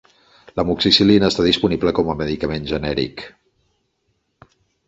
L'amoxicil·lina està disponible com a medicament genèric.